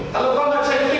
kalau konversasi itu itu